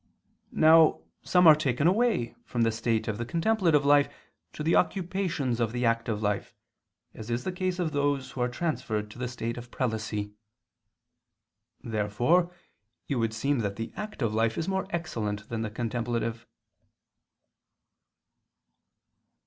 Now some are taken away from the state of the contemplative life to the occupations of the active life, as in the case of those who are transferred to the state of prelacy. Therefore it would seem that the active life is more excellent than the contemplative.